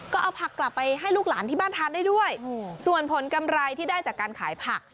ก็เอาผักกลับไปให้ลูกหลานที่บ้านทานได้ด้วยส่วนผลกำไรที่ได้จากการขายผัก